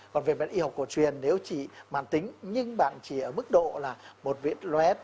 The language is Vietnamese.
còn về vết y học cổ truyền nếu chỉ mạng tính nhưng bạn chỉ ở mức độ là một vết lét